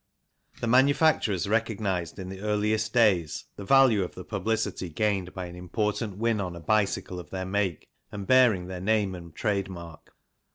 The manufacturers recognized in the earliest days the value of the publicity gained by an important win on a bicycle of their make and bearing their name and trade mark.